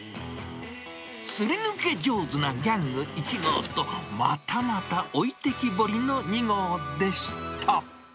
すり抜け上手なギャング１号と、またまた置いてきぼりの２号でした。